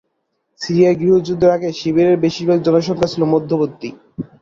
সিরিয়ার গৃহযুদ্ধের আগে, শিবিরের বেশিরভাগ জনসংখ্যা ছিল মধ্যবিত্ত।